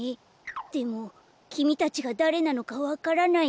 でもきみたちがだれなのかわからないんだ。